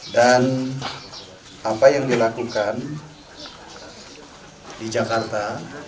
dan apa yang dilakukan di jakarta